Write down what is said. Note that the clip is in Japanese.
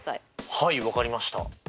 はい分かりました。